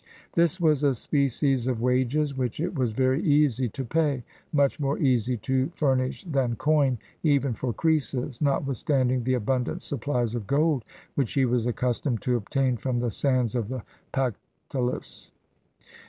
This was a species of wages which it was very easy to pay; much more easy to fur nish than coin, even for Croesus, notwithstanding the abundant supplies of gold which he was accustomed to obtain from the sands of the Pactolus.